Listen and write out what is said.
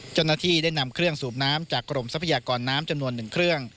เจ้าหน้าที่ได้นำเครื่องสูบน้ำจากกรมทรัพยากรน้ำจำนวน๑เครื่อง